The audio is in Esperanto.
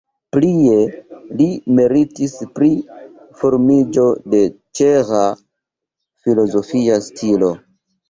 Plie li meritis pri formiĝo de ĉeĥa filozofia stilo.